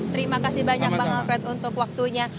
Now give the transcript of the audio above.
terima kasih banyak bang alfred untuk waktunya